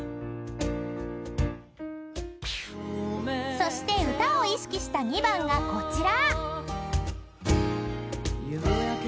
［そして歌を意識した２番がこちら］